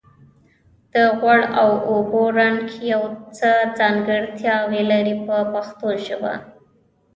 د غوړ او اوبو رنګ څه ځانګړتیاوې لري په پښتو ژبه.